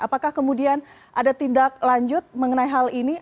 apakah kemudian ada tindak lanjut mengenai hal ini